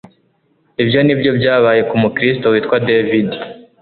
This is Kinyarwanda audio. ibyo ni byo byabaye ku mukristo witwa david